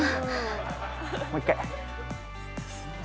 もう一回！